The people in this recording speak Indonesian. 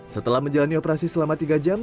setelah menjalani operasi selama tiga jam